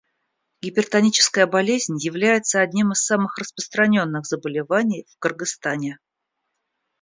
Гипертоническая болезнь является одним из самых распространенных заболеваний в Кыргызстане.